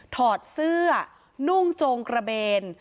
ถอดเสื้อนุ่งโจงกระเบน